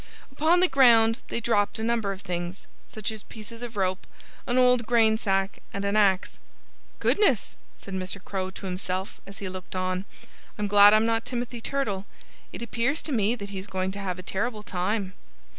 Upon the ground they dropped a number of things, such as pieces of rope, an old grain sack, and an axe. "Goodness!" said Mr. Crow to himself, as he looked on. "I'm glad I'm not Timothy Turtle. It appears to me that he's going to have a terrible time."